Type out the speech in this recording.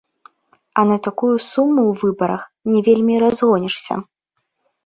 А на такую суму ў выбарах не вельмі і разгонішся.